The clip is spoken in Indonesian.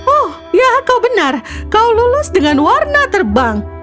oh ya kau benar kau lulus dengan warna terbang